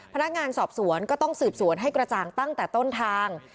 พนักงานสอบสวนก็ต้องสืบสวนให้กระจ่างตั้งแต่ต้นทาง